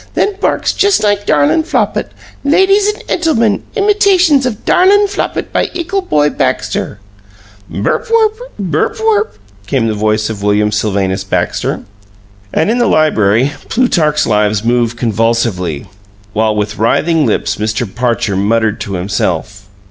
Then barks just like darlin' Flopit! Ladies and 'entlemen, imitations of darlin' Flopit by ickle boy Baxter." "Berp werp! Berp werp!" came the voice of William Sylvanus Baxter. And in the library Plutarch's Lives moved convulsively, while with writhing lips Mr. Parcher muttered to himself.